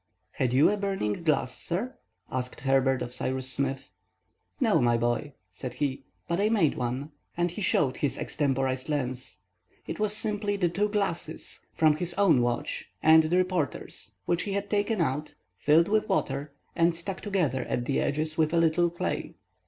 "Had you a burning glass, sir?" asked Herbert of Cyrus Smith. "No, my boy," said he, "but I made one." And he showed his extemporized lens. It was simply the two glasses, from his own watch and the reporter's, which he had taken out, filled with water, and stuck together at the edges with a little clay.